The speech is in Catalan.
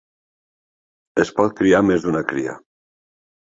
Es pot criar més d'una cria.